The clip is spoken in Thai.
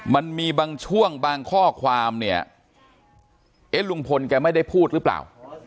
มันมีบางช่วงบางข้อความเนี่ยเอ๊ะลุงพลแกไม่ได้พูดหรือเปล่า